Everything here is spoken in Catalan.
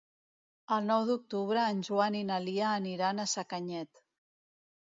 El nou d'octubre en Joan i na Lia aniran a Sacanyet.